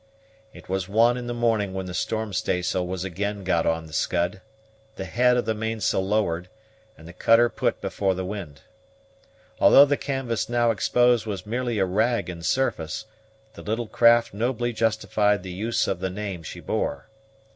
It was one in the morning when the storm staysail was again got on the Scud, the head of the mainsail lowered, and the cutter put before the wind. Although the canvas now exposed was merely a rag in surface, the little craft nobly justified the use of the name she bore.